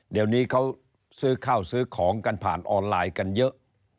เดี๋ยวนี้เขาซื้อข้าวซื้อของกันผ่านออนไลน์กันเยอะ